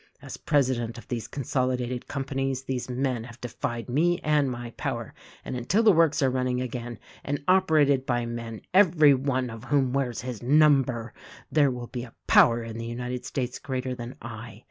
As president of these consolidated companies these men have defied me and my power, and until the works are running again, and oper ated by men every one of whom wears his number, there Ii6 THE RECORDING ANGEL will be a power in the United States greater than I.